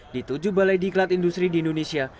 di tujuh balai diklat industri di indonesia